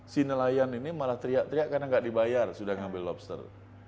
si nelayan ini malah teriak teriak karena nggak dibayar sudah ngambil lobster